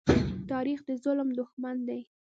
تاریخ د ظلم دښمن دی.